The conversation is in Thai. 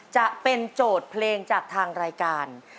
จะเป็นโจทย์เพลงจากทางรายการ